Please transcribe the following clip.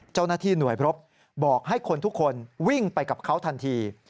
เจ้าหน้าที่หน่วยพรบบอกให้คนทุกคนวิ่งไปกับเขาทันที